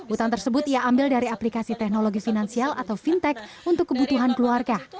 utang tersebut ia ambil dari aplikasi teknologi finansial atau fintech untuk kebutuhan keluarga